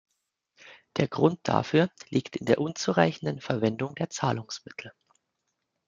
Der Grund dafür liegt in der unzureichenden Verwendung der Zahlungsmittel.